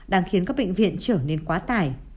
đang khiến các bệnh viện trở nên quá tải